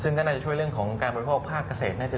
ซึ่งก็น่าจะช่วยเรื่องของการบริโภคภาคเกษตรน่าจะ